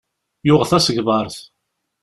Yuɣ tasegbart.